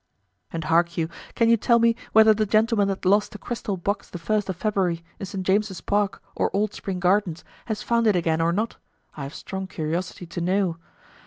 And hark you, can you tell me whether the gentleman that lost a crystal box the 1st of February in St. James' Park or Old Spring Gardens has found it again or not, I have strong curiosity to know?